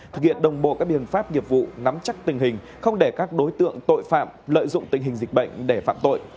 thực hiện đồng bộ các biện pháp nghiệp vụ nắm chắc tình hình không để các đối tượng tội phạm lợi dụng tình hình dịch bệnh để phạm tội